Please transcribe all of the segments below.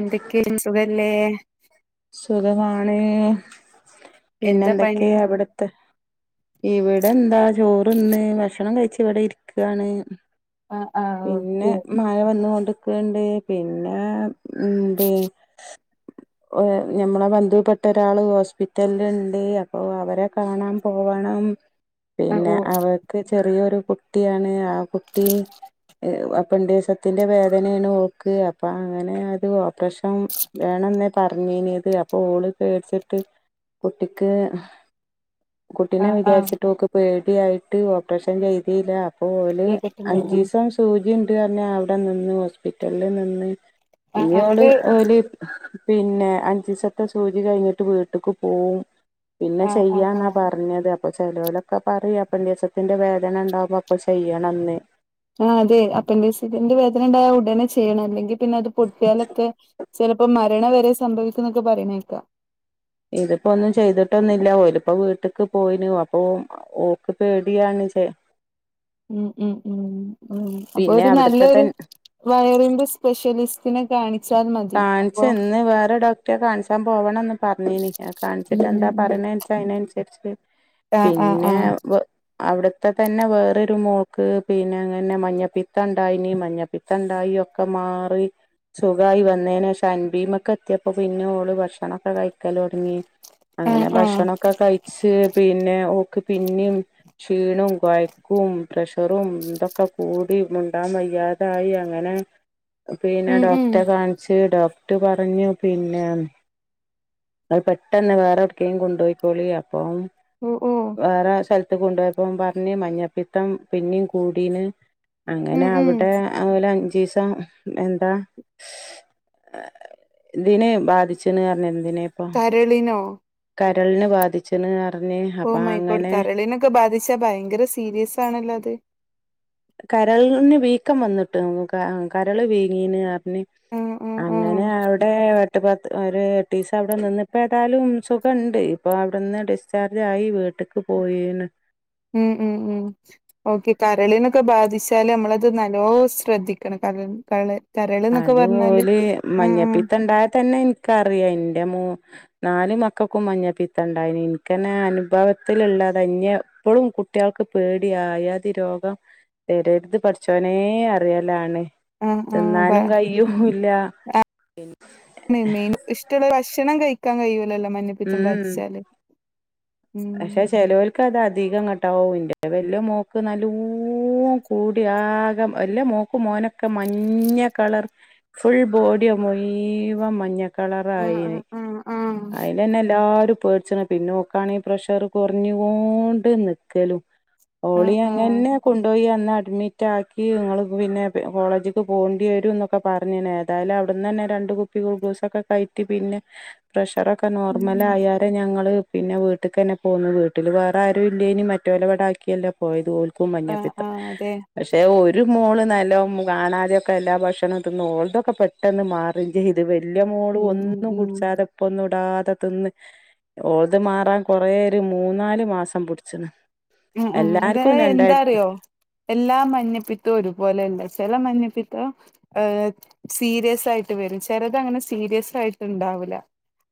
എന്തൊക്കെയ സുഖല്ലേ സുഖമാണ് പിന്നെ എന്താ പണി എന്തൊക്കെയാ അവിടുത്തെ ഇവിടെ എന്താ ചോറുന്ന് ഭക്ഷണം കഴിച്ച് ഇവിടെ ഇരിക്കുവാണ് ആഹ് ആഹ് പിന്നെ ഓക്കെ മഴ വന്നൊണ്ട്ക്കണണ്ട് പിന്നെ മ്മ് പി ഞമ്മളെ ബന്ധുപ്പെട്ട ഒരാള് ഹോസ്പിറ്റലിൽ ഇണ്ട് അപ്പൊ അവരെ കാണാൻ പോ പോവണം ആഹ് ഓ പിന്നെ അവൾക്ക് ചെറിയൊരു കുട്ടിയാണ് ആ കുട്ടി അപ്പെണ്ടിസത്തിന്റെ വേദനയാണ് ഓക്ക് അപ്പൊ അങ്ങനെ അത് ഓപ്പറേഷൻ വേണെന്നേ പറഞ്ഞേനിയത് അപ്പൊ ഓള് പേടിച്ചിട്ട് കുട്ടിക്ക് കുട്ടീനെ ആഹ് ആഹ് വിചാരിച്ചിട്ട് ഓക്ക് പേടിയായിട്ട് ഓപ്പറേഷൻ ചെയ്തില അപ്പോല് അഞ്ചു കേട്ടിട്ടുണ്ടല്ലോ ദിവസം സൂചി ഇണ്ട് പറഞ്ഞു അവിടെ നിന്ന് ഹോസ്പിറ്റലിൽ നിന്ന് ആഹ് പിന്നഓള് എന്നിട്ട് ഓല് പിന്നെ അഞ്ചിസത്തെ സൂചി കഴിഞ്ഞിട്ട് വീട്ടക്ക് പോവും പിന്നെ ആഹ് ആഹ് ചെയ്യാന്ന ആഹ് പറഞ്ഞത് അപ്പൊ ചെലോലൊക്കെ പറയ അപ്പണ്ടീസത്തിന്റെ വേദന ഉണ്ടാവുമ്പോ അപ്പൊ ചെയ്യണംന്ന് ആ അതെ അപ്പെൻഡിസിന്റെ വേദന ഉണ്ടായാൽ ഉടനെ ചെയ്യണം അല്ലെങ്കിൽ പിന്നെ അത് പൊട്ടിയാലൊക്കെ ചെലപ്പോ മരണം വരെ സംഭവിക്കും എന്നൊക്കെ പറയണേക്കാം ഇതിപ്പോ ഒന്നും ചെയ്തിട്ടൊന്നില്ല ഓലിപ്പോ വീട്ടക്ക് പോയിനു അപ്പൊ ഓക്ക് പേടിയാണ് ചെ ഉ ഉ ഉ ഉ അപ്പൊ പിന്നെ ഒരു അവിടുത്തെ തൻ നല്ലൊരു വയറിന്റെ സ്പെഷ്യലിസ് പിന്നെകാണിച്ചാർന്നോ കാണിച്ച് ഇന്ന് വേറെ ഡോക്ടറെ കാണിച്ചാൻ പോവണംന്ന് പറഞ്ഞീനി ന്നെ കാണിച്ചിട്ട് ഉം ഉം എന്താ ഉം പറയണെച്ചാ അതിനനുസരിച്ച് ആഹ് ആഹ് പിന്നെ ആഹ് വെ അവിടത്തെ തന്നെ വേറൊരു മോക്ക് പിന്നെ അങ്ങനെ മഞ്ഞപ്പിത്തണ്ടായിനിം മഞ്ഞപ്പിത്ത ണ്ടായി ഒക്കെ മാറി സുഖായി വന്നേന് ശേഷം അൻഭീമക്കെത്തിയപ്പോ പിന്നെ ഓള് ഭക്ഷണൊക്കെ കയിക്കല് തൊടങ്ങി അങ്ങനെ ആഹ് ആഹ് ഭക്ഷണൊക്കെ കയിച്ച് പിന്നെ ഓക്ക് പിന്നിം ക്ഷീണും കൊയക്കും പ്രഷറും ഇതൊക്കെ കൂടി മുണ്ടാം വയ്യാ തായി അങ്ങനെ പിന്നെ ഉം ഡോക് ഉം കാൺച്ച് ഡോക്ർ പറഞ്ഞു പിന്നേ അത് പെട്ടെന്ന് വേറെവ്ട്ക്കെലും കൊണ്ടൊയിക്കോളി അപ്പം ഓ ഓ വേറെ സെൽത്ത് കൊണ്ടു പോയപ്പോ പറഞ്ഞ് മഞ്ഞപ്പിത്തം പിന്നിം കൂടീണ് - ഉം ഉം അങ്ങനവിടെ ഓലഞ്ചീസം എന്താ ഇതിന് ബാധിച്ച്ണ് പറഞ്ഞു എന്തിന് കരളിനോ കരൾനെ ബാധിച്ച്ണ് അറഞ്ഞ് അപ്പ അങ്ങനെ ഒക്കെ ബാധിച്ചാ ഭയങ്കര സീരിയസാണല്ലോ അത്. കരൾന് വീക്കം വന്നിട്ട് ക കരള് വീങ്ങീണർ ന് ഉം ഉം ഉം അങ്ങനവിടേ എട്ട് പത്ത് ഒരു എട്ടീസം അവിടെ നിന്ന് ഇപ്പ ഏതായാലും സുഖണ്ട് ഇപ്പ അവ്ട്ന്ന് ഡിസ്ചാർജായി വീട്ട്ക്ക് പോയീണ് ഉം ഉം ഉം ഓക്കെ കരളിനൊക്ക ബാധിച്ചാല് നമ്മളത് നല്ലോ ശ്രദ്ധിക്കണം കരൾ കള കരള്ന്നൊക്കെ അത് പറഞ്ഞാല് ഓല് ആഹ് മഞ്ഞപ്പിത്തണ്ടായ തന്നെ ഇൻക്കറിയാം ഇന്റ മൂ നാല് മക്കക്കും മഞ്ഞപ്പിത്തണ്ടായിനി ഇനിക്കെന്നെ അനുഭവത്തിലുള്ളത ഇന്നെ ഇപ്പളും കുട്ട് ട്ടിയാൾക്ക് പേടിയാ ആയാതി രോഗം വരര്ത് പഠച്ചോനെ അറിയലാണ്. ആഹ് ആഹ് വ്വ നും കയൂല്ല ഇൻ നെയ് മീൻ ഇഷ്ടള്ള ഭക്ഷണം കഴിക്കാൻ കയിയൂല്ലല്ലോ മഞ്ഞ ഉം ഉം പക്ഷെ ചെലോൽ ക്കതധികങ്ങട്ടാവുംഇന്റെ വെല്ല്യെ മോക്ക് നല്ലോം കൂടി ആകെ വെല്ല മോക്ക് ക്കും മോനൊക്കെ മഞ്ഞ കളർ ഫുൾ ബോഡിയാ മുയ്‌വൻ മഞ്ഞക്ക ആഹ് കളറായിന് ആഹ് ആഹ് ആഹ് അയിനന്നെല്ലാരും പേടിച്ച്ണ് പിന്നോക്കാണേ പ്രഷറ് കൊർഞ്ഞുകോണ്ട് നിക്കലും ആഹ് ആഹ് ഓളിയന്നന്നേ കൊണ്ടോയിയന്നഡ്മി റ്റാക്കീ ഇങ്ങള് പിന്നെ കോളജിക്കി പോണ്ടി വരുന്നൊക്കെ പറഞ്ണ് ഏതായാലും അവിട്ന്നന്നെ രണ്ട് കു പ്പി ഗ്ലൂക്കോസൊക്കെ കയറ്റി പിന്നെ പ്രഷറൊക്കെ ഉം നോർമലായാ ഇന്നട്ട് ഞങ്ങള് പിന്നെ വീട്ട്ക്കെന്നെ പോന്നു വീട്ടില് വേറാരും ഇല്ലേനി മറ്റൊലിവടാക്കിയല്ലെ. പോയതോൽക്കും ആഹ് മഞ്ഞപ്പിത്തം. ആഹ് അതെ പക്ഷെ ഒരു മോള് നല്ലോം കാണാതെയൊക്കെല്ലാ ഭക്ഷണം തിന്ന് ഓൾതൊക്ക പെട്ട് ട്ടെന്ന് മാറി ചെയ്ത് വല്യ മോള് ഉം ഉം ഒന്നും ഉം കുടിച്ചാതപ്പന്നും കൂട്ടാതെ തിന്ന് ഓൾത് മാറാൻ കൊറേയൊരു മൂന്നാല് മാസം പിടിച്ച്ണ്. ഉം ഉം എല്ലാർക്കും അതായ് രണ്ടായി എന്താറിയോ എല്ലാ മഞ്ഞപ്പിത്തോം ഒരുപോലെല്ല ചെല മഞ്ഞപ്പിത്തോം ഏഹ് സീരിയസ് ആയിട്ട് വെരും ചെലതങ്ങന സീരിയസായിട്ട്ണ്ടാവൂല.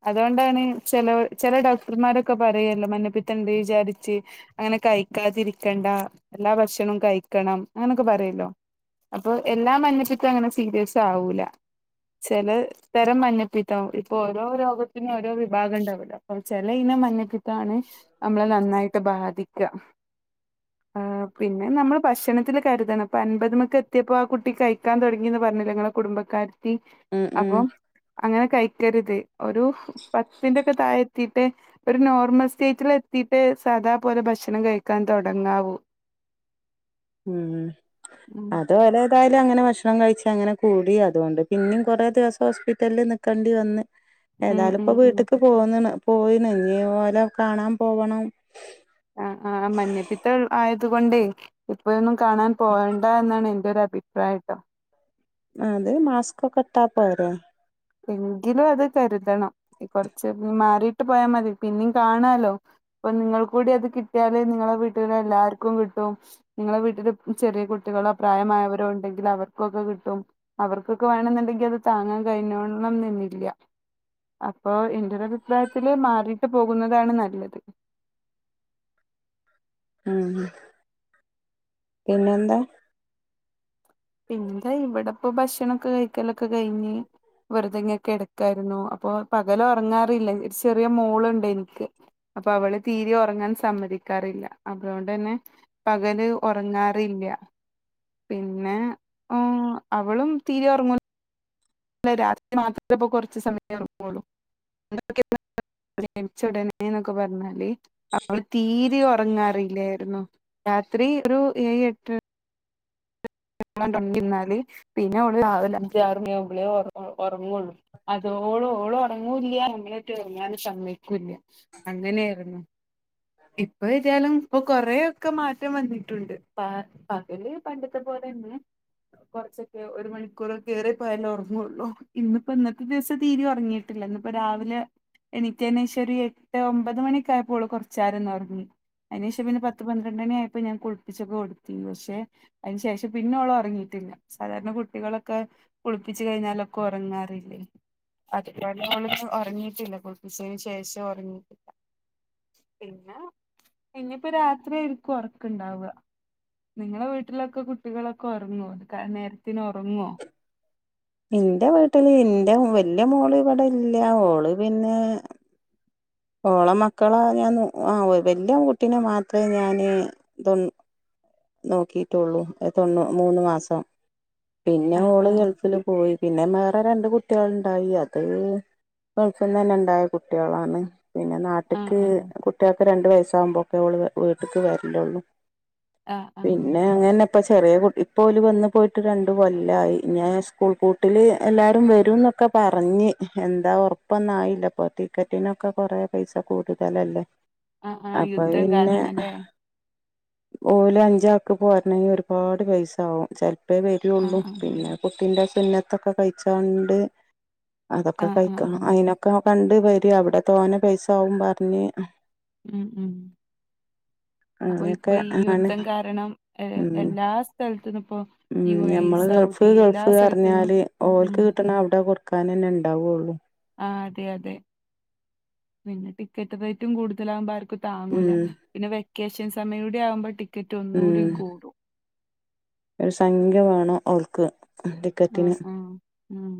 അതോണ്ടാണ് ചെലവ ചെല ഡോക്ടർമാരൊക്കെ പറയല്ലോ മഞ്ഞപ്പിത്തണ്ട് വിചാരിച്ച് അങ്ങനെ കയിക്കാതിരിക്കണ്ട എല്ലാ ഭക്ഷണോം കയിക്കണം അങ്ങനൊക്കാ പറയല്ലോ അപ്പൊ എല്ലാ മഞ്ഞപ്പിത്തോങ്ങന സീരിയസാവൂല ചെലത് ഇത്തരം മഞ്ഞപ്പിത്തം ഇപ്പൊ ഓരോ രോഗത്തിനും ഓരോ വിഭാഗെണ്ടാവൂല്ലൊ അപ്പൊ ചെല ഇനം മഞ്ഞപ്പിത്താണ്. നമ്മളെ നന്നായിട്ട് ബാധിക്ക ആ പിന്നെ നമ്മള് ഭക്ഷണത്തില് കരുതണം, ഇപ്പൻപതുമൊക്കെത്തിയപ്പോ ആ കുട്ടി കഴിക്കാൻ തുടങ്ങീന്ന് പറഞ്ഞ്. ഞങ്ങള കുടുംബക്കാരത്തി ഉം ഉം അപ്പോം അങ്ങന കഴിക്കരുത് ഒരു പത്തിന്റേക്ക താഴെത്തീട്ട് ഒരു നോർമൽ സ്റ്റേജിലെത്തീട്ട് സാധാപോലെ ഭക്ഷണം കഴിക്കാൻ തൊടങ്ങാവൂ. ഉം ഉം അത് [unintelligible] ലേതായാലും അങ്ങനെ ഭക്ഷണം കഴിച്ച് അങ്ങന കൂടി അതുകൊണ്ട് പിന്നേം കൊറേ ദിവസം ഹോസ്പിറ്റലിൽ നിക്ക് കണ്ട് വന്ന്. ഉം ഏതാലും ഉം ഇപ്പം ഉം വീട്ട്ക്ക് പോന്ന്ണ് പോയിണ് ഇഞ്ഞ് ഓലെ കാണാൻ പോവണം ആഹ് ആഹ് മഞ്ഞപ്പിത്തം ആയതു കൊണ്ടേ ഇപ്പോയൊന്നും കാണാൻ പോവണ്ട എന്നാണ് എൻ്റെ ഒരു അഭിപ്രായം ട്ടൊ അത് മാസ്ക്കൊക്കെ ഇട്ടാ പോരെ എങ്കിലും അത് കരുതണം കൊറച്ച് മാറിട്ട് പോയാ മതി പിന്നിം കാണാലോ അപ്പം നിങ്ങൾ കൂടി അത് കിട്ടിയാലേ നിങ്ങളെ വീട്ടിലെ എല്ലാർക്കും കിട്ടും നിങ്ങളെ വീട്ടിലെ ചെറിയ കുട്ടികളോ പ്രായമായവരോ ഉണ്ടെങ്കിൽ അവർക്കൊക്കെ കിട്ടും അവർക്കൊക്കെ വേണെന്നുണ്ടെങ്കി അത് താങ്ങാൻ കഴിഞ്ഞോളണം നിന്നില്ല അപ്പോ എന്റെ ഒരു അഭിപ്രായത്തില് മാറിട്ട് പോകുന്നതാണ് നല്ലത് ഉം പിന്നെ എന്താ പിന്നെന്താ ഇവിടെപ്പം ഭക്ഷണൊക്കെ കഴിക്കലൊക്കെ കഴിഞ്ഞ് വെറുതെ ഇങ്ങനെ കെടക്കായിരുന്നു അപ്പൊ പകല ഒറങ്ങാറില്ല ഒരു ചെറിയ മോളുണ്ട് എനിക്ക് അപ്പം അവള് തീരീം ഒറങ്ങാൻ സമ്മതിക്കാറില്ല അതേണ്ടെന്നെ പകല് ഒറങ്ങാറില്ല പിന്നെ ഓ അവളും തീരേ ഉറങ്ങൂ അല്ല രാത്രി മാത്രേ പ്പം കൊറച്ച് സമയം ഒറങ്ങൊള്ളൂ [inaudible] നിച്ച ഉടനെന്നൊക്കെ പറഞ്ഞാല് അവള് തീരെ ഒറങ്ങാറല്ലായിരുന്നു രാത്രി ഒരു ഏഴ് എട്ട് ഓളാണ് ഒണ്ന്നിര്ന്നാല് പിന്നെ ഓള് രാവിലെ അഞ്ച് ആറ് മണി ആവുമ്പളേ ഒറണ്ടൊള്ളൂ അതോളം ഓള് ഒറങ്ങൂല്ല ഇന്നെറ്റെ ഒറങ്ങാനും സമ്മയ്ക്കൂല്ല അങ്ങനെയായിരുന്നു ഇപ്പം എത്യാലും ഇപ്പൊ കൊറേ ഒക്കെ മാറ്റം വന്നിട്ടുണ്ട് പ പകല് പണ്ടത്തെ പോലെ തന്നെ കൊറച്ചൊക്കെ ഒരു മണിക്കൂ ക്കൂറൊക്കേ ഏറ്റിപോയാലും ഒറങ്ങ്യൊള്ളു ഇന്നിപ്പം ഇന്നത്തെ ദിവസം തീരിം ഒറങ്ങീട്ടി ല്ല ഇന്നിപ്പം രാവിലെ എണീറ്റേന് ശേഷം ഒരു എട്ട് ഒമ്പത് മണി ഒക്കെ ആയപ്പോള് ഓള് കൊർ ച്ചേരം ഒന്ന് ഒറങ്ങി അയ്‌നേശം പിന്നെ പത്ത് പ ന്ത്രണ്ടണിയപ്പം ഞാൻ കുളിപ്പിച്ചൊക്കെ കൊടുത്തീനി പക്ഷെ അതിന് ശേഷം പിന്നോള് ഒറങ്ങിയിട്ടില്ല സാധാരണ കുട്ടികളൊക്കെ കുളിപ്പിച്ച് കഴിഞ്ഞാലൊക്കെ ഒറങ്ങാറില്ലേ അതിക നേരൊന്നും ഓളിന്ന് ഒറങ്ങിയിട്ടില്ല കുളപ്പിച്ചന് ശേഷം ഒറങ്ങിയിട്ടില്ല പിന്നെ ഇഞ്ഞ്പ്പം രാത്രി ആയിരിക്കും ഒറക്ക്ണ്ടാവ നിങ്ങളെ വീട്ടിലൊക്കെ കുട്ടികളൊക്കെ ഒറങ്ങോ അത് ക നേരത്തിന് ഒറങ്ങോ ഇന്റെ വീട്ടില് ഇന്റെ വല്യ മോള് ഇവടെ ഇല്ല ഒള് പിന്നേ ഓളെ മക്കളെ ഞാൻ നോ ആഹ് വല്യ പെങ്കുട്ടിനെ മാത്രേ ഞാന് തൊണ്ണു നോക്കീട്ടൊള്ളു തൊണ്ണൂ മൂന്ന് മാസം പിന്നെ ആഹ് ഓള് ആഹ് ഗൾഫിലും പോയി പിന്നെ വേറെ രണ്ട് കുട്ടേള്ണ്ടായി അത് ഗൾഫ്ന്നെന്നെ ഉണ്ടായ കുട്ടേളാണ് പിന്നെ നാ ആഹ് ട്ട്ക്ക് ആഹ് കുട്ട്യാക്ക് രണ്ട് വയസാകുമ്പൊക്കെ ഓള് വി വീട്ട്ക്ക് വര്ലൊള്ളൂ. ആഹ്. ആഹ് പിന്നെ അങ്ങൻന്നെ ഇപ്പം ചെറ്യേ കുട്ടി ഇപ്പോല് വന്ന് പോയിട്ട് രണ്ടു കൊല്ലായി ഇഞ്ഞ് സ്കൂൾ പൂ ട്ട്ല് എല്ലാരും വരുംന്നൊക്കെ പറഞ്ഞ് എന്താ ഒർപ്പൊന്നായില്ലപ്പം ടി ക്കറ്റിനൊക്കെ കൊറേ പൈസ കൂടുതലല്ലേ ആഹ് ആഹ് അപ്പഹ് യുദ്ധം പിന്നെ. കാരണല്ലേ ഓല് അഞ്ചാക്ക് പോര്ണെങ്കി ഒരുപാട് പൈസാവും ചെൽപ്പേ വരൊള്ളൂ ആഹ് ആഹ് പിന്നെ. കുട്ടിന്റെ സുന്നത്തൊക്കെ കയ്ച്ചാണ്ട് അതൊക്കെ ആഹ് ആഹ് കയ്ക്കണം ആഹ് അയ്നൊ ക്ക കണ്ട് വര്യാ അവ്ടെ തോനെ പൈസാവും പർഞ്ഞ്. ഉം ഉം അപ്പൊ അങ്ങനെയൊക്കെ ഇപ്പയി ആണ് യുദ്ധം കാരണം ഏഹ് ഉം എല്ല ല്ലാ സ്ഥൽത്തന്നുപ്പൊ. ഉം ഞമ്മള് ഗൾഫ് ഗൾഫ് സ്ഥലത്തുന്നും പർഞ്ഞാല് ഉം ഉം ഓൽക്ക് കിട്ട്ണ അവുടെ കൊട് ക്കാനെന്നെ ഇണ്ടാവൊള്ളു. ആഹ് അതെ അതെ പിന്നെ ടിക്കറ്റ് റൈറ്റും കൂടുതലാവുമ്പം ആർക്കും താങ്ങൂല. ഉം പിന്നെ വെക്കേഷൻ സമയൂടി ആവുമ്പം ടിക്കറ്റ് ഉം ഒന്നൂടിം കൂടും. ഒരു സംഖ്യ വാണം ഓൽക്ക് ആഹ് ടിക്കറ്റിന്. ആഹ് ഉം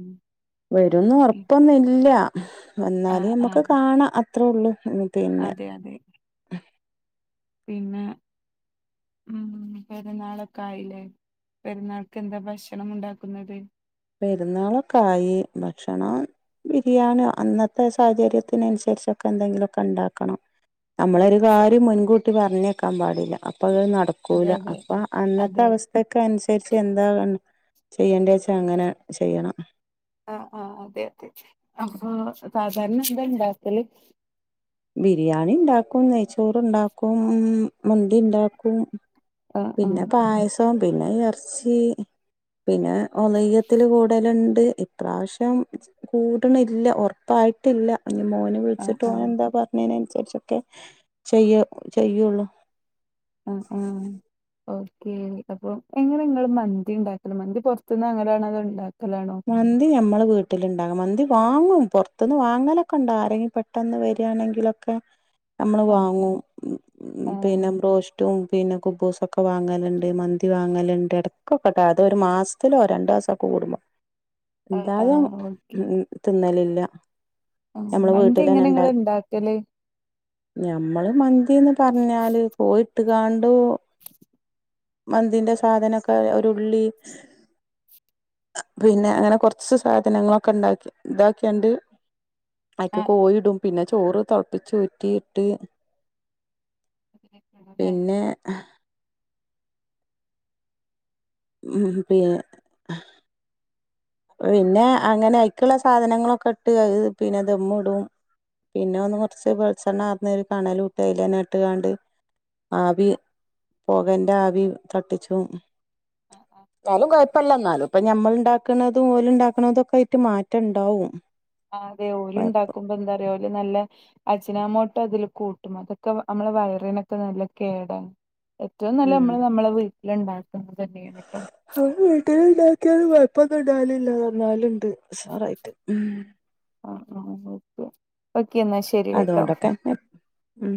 വരുംന്ന് ഒർപ്പൊന്നുല്ല വന്നാല് ആഹ് നമ്മക്ക് ആഹ് കാണാം അത്രൊള്ളൂ ഉം. അതെ അതെ. പിന്നെ. ഉം പെരുന്നാളൊക്കായിലേ പെരുന്നാൾക്ക് എന്താ ഭക്ഷണമുണ്ടാക്കുന്നത്. പെരുന്നാളൊക്കായി ഭക്ഷണം. ബിരിയാണ്യോ അന്നത്തെ സാഹചര്യത്തിനൻസര്ച്ചൊക്കെ എന്തെങ്കിലൊക്കെണ്ടാക്കണം. ഉം നമ്മളൊരു സ- കാര്യം മുൻകൂട്ടി പർഞ്ഞക്കാം പാടില്ല അപ്പൊത് നടക് അതെ ക്കൂല അതെ അപ്പൊ അന്നത്തെ അതെ അവസ്ഥക്കൻസര്ച്ച് എന്താവെ ചെയ്യണ്ടേച്ചാ അങ്ങനെ. ചെയ്യണം. ആഹ് ആഹ് അതെ അതെ അപ്പൊ സാധാരണ എന്തണ്ടാക്കല്. ബിരിയാണിണ്ടാക്കും നെയ്ച്ചോറ്ണ്ടാക്കും മന്തിണ്ടാക്കും. ആ ആ പിന്നെ പായസം പിന്നെ എർച്ചി. പിന്നെ ഒള്ഹ്യ്യത്തില് കൂടല്ണ്ട് ഇപ്രാവശ്യം. കൂട്ണില്ല ഒർപ്പായ്ട്ടില്ല. ഞി മോന് ആ വിൾച്ച്ട്ട് ആ ഓനെന്താ പർഞ്ഞീനൻസര്ച്ചൊക്കെ ചെയ്യൊ ചെയ്യൊള്ളു. ആഹ് ആഹ് ഓഹ്. ക്കെ അപ്പൊ എങ്ങനെങ്ങള് മന്തിണ്ടാക്കല് മന്തി പൊർത്ത്ന്നാങ്ങലാണോ അതൊ ഇണ്ടാക്കലാണോ. മന്തി ഞമ്മള് വീട്ടില്ണ്ടാകും മന്തി വാങ്ങും പൊർത്ത്ന്ന് വാങ്ങലൊക്കെണ്ട് ആരെങ്കി പെ ട്ടെന്ന് വരാണെങ്കിലൊക്കെ. നമ്മള് ആ വാങ്ങും ആ പിന്നെ ബ്രോഷ് റ്റും പിന്നെ കുബൂസൊക്കെ വാങ്ങല്ണ്ട് മന്തി വാങ്ങല്ണ്ട് എട്ക്കൊക്കെട്ടാ അതൊരു മാസ് ത്തിലൊ രണ്ടാസൊക്കെ കൂടുമ്പൊ. ആ ആ ഇന്താലും ഓക്കെ ഉം തിന്നലില്ല. ആഹ് ഞമ്മള് മന്തി വീട്ടിലന്നെ ഇണ്ടാ എങ്ങനെങ്ങള്ണ്ടാക്കല്. ഞമ്മള് മന്തീന്ന് പർഞ്ഞാല് കോയിട്ട്കാണ്ടൂ മന്തിന്റെ സാധനൊക്കെ ഒരുള്ളി. പിന്നെ അങ്ങനെ കൊർച്ച് സാധനങ്ങളൊക്കെണ്ടാക്കി ഇതാക്ക്യാണ്ട് ആ അയ്ക്ക് ആ കോയിടും. പിന്നെ ചോറ് തൾപ്പിച്ചൂറ്റിയിട്ട് അതിലേക്ക് ഇടും അല്ലേ? പിന്നെ. ഹാ. ഉം പ്യേ പിന്നെ അങ്ങനെ അയ്ക്ക്ള്ള സാധനങ്ങളൊക്കെട്ട് അഹ് പിന്നെ ദമ്മ്ടും. പിന്നെ ഒന്ന് കൊർച്ച് വെൾച്ചെണ്ണർന്ന് ഒരു കണലൂട്ടാ അയ്ലന്നട്ട്കാണ്ട്. ആവി ആ പൊകന്റാവി തട്ടിച്ചും ആ ആ, ന്നാലും കൊഴ്പ്പല്ല ന്നാലുംപ്പ ഞമ്മള്ണ്ടാക്ക ക്ക്ണതും ഓല്ണ്ടാക്ക്ണതൊക്കായ്ട്ട് മാറ്റം ണ്ടാവും. ആഹ് അതെ ഓല്ണ്ടാക്കുമ്പന്താറ്യൊ ഓല് നല്ല. അജിനാമോട്ടോ അതില് കൂട്ടും അതൊക്കെ അമ്മളെ വയറിനൊക്കെ നല്ല കേടാണ്. ഏറ്റവും നല്ലത് ഉം മ്മള് നമ്മളെ വീട്ടില്ണ്ടാക്കുന്ന തന്നേണ് ട്ടോ. അവ വീട്ടില്ണ്ടാക്ക്യാല് കൊഴ്പ്പൊന്നും ണ്ടാവലില്ല നന്നാവല്ണ്ട് ഉസാറായിട്ട് ഉം. ആഹ് ആഹ്ഓക്കെ ഓക്കെന്നാ ശെ അതു കൊണ്ടക്കന്നെ. ഉം